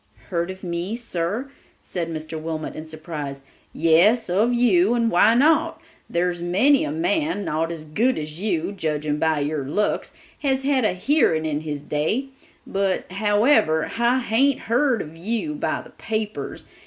"Heard of me, sir?" said Mr. Wilmot in surprise. "Yes, of you; and why not? Thar's many a man, not as good as you, judging by your looks, has had a hearing in his day; but, however, I haint heard of you by the papers.